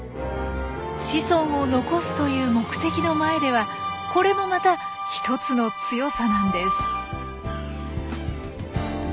子孫を残すという目的の前ではこれもまた一つの強さなんです。